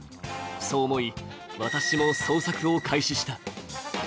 そう思い、私も捜索を開始した。